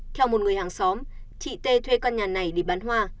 theo một người hàng xóm chị tê thuê con nhà này để bán hoa